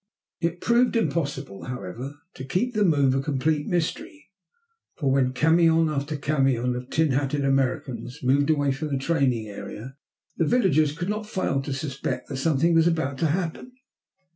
It proved impossible, however, to keep the move a complete mystery, for when camion after camion of tin hatted Americans moved away from the training area the villagers could not fail to suspect that something was about to happen.